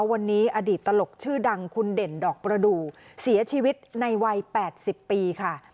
วันนี้อดีตตลกชื่อดังคุณเด่นดอกประดูกเสียชีวิตในวัย๘๐ปีค่ะ